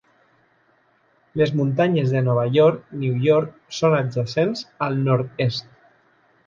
Les muntanyes de Nova York New York són adjacents al nord-est.